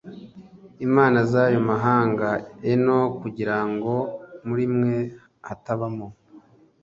imana z ayo mahanga e no kugira ngo muri mwe hatabamo